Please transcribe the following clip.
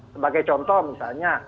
sebagai contoh misalnya